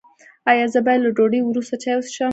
ایا زه باید له ډوډۍ وروسته چای وڅښم؟